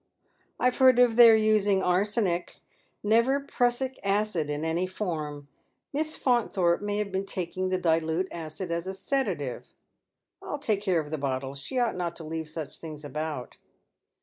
I've heard of their using arsenic, never prussic acid in any form. Miss Faunthorpe may have been taking the dilute licid as a sedative. I'll take care of the bottle. She ought not to leave such things about."